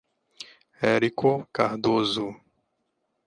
Érico Cardoso